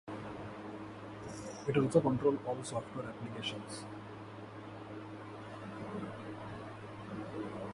It also controls all software applications.